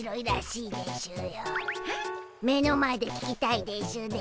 目の前で聞きたいでしゅね。